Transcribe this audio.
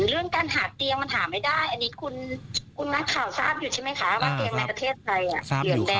เรื่องการหาเตียงมันหาไม่ได้อันนี้คุณนักข่าวทราบอยู่ใช่ไหมคะ